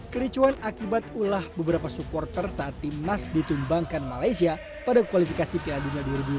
kericuhan akibat ulah beberapa supporter saat timnas ditumbangkan malaysia pada kualifikasi piala dunia di malaysia